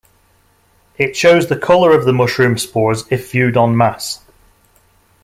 It shows the color of the mushroom spores if viewed en masse.